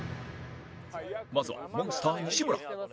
まずはモンスター西村